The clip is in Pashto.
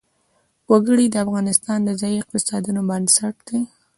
وګړي د افغانستان د ځایي اقتصادونو بنسټ دی.